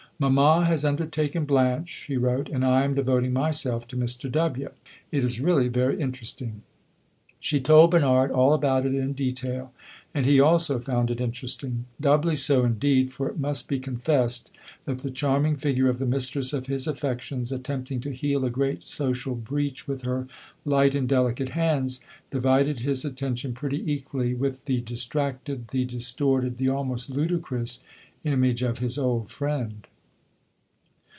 "Mamma has undertaken Blanche," she wrote, "and I am devoting myself to Mr. W. It is really very interesting." She told Bernard all about it in detail, and he also found it interesting; doubly so, indeed, for it must be confessed that the charming figure of the mistress of his affections attempting to heal a great social breach with her light and delicate hands, divided his attention pretty equally with the distracted, the distorted, the almost ludicrous, image of his old friend.